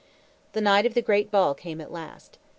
The night of the great ball came at last.